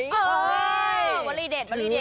เฮ้ยวลีเด็ดวลีเด็ด